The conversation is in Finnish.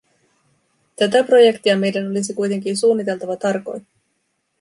Tätä projektia meidän olisi kuitenkin suunniteltava tarkoin.